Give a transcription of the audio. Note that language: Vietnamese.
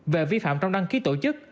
về vi phạm trong đăng ký tổ chức